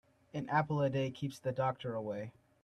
An apple a day keeps the doctor away.